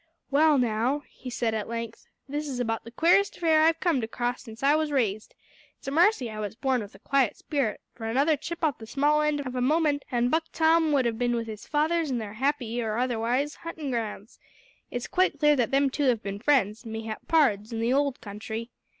"Well, now," he said at length, "this is about the queerest affair I've comed across since I was raised. It's a marcy I was born with a quiet spirit, for another chip off the small end of a moment an' Buck Tom would have bin with his fathers in their happy, or otherwise, huntin' grounds! It's quite clear that them two have bin friends, mayhap pards, in the old country.